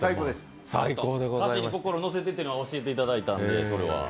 歌詞に心乗せてというのは教えてもらったので。